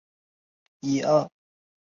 出生在肯塔基州。